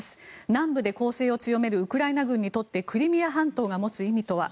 南部で攻勢を強めるウクライナ軍にとってクリミア半島が持つ意味とは。